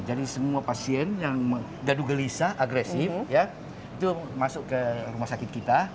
jadi semua pasien yang dadu gelisah agresif ya itu masuk ke rumah sakit kita